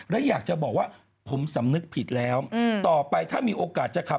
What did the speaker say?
แล้วก็ณวันนี้ปฏิเสธทุกข้อก่่างหา